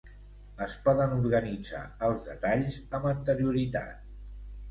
Es poden organitzar els detalls amb anterioritat.